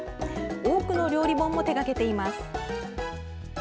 多くの料理本も手がけています。